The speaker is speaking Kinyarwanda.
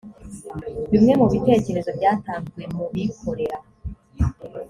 bimwe mu bitekerezo byatanzwe mu bikorera